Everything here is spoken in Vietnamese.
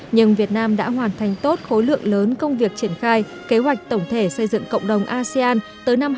nhưng việt nam đã hoàn thành tốt khối lượng lớn công việc triển khai kế hoạch tổng thể xây dựng cộng đồng asean tới năm hai nghìn hai mươi năm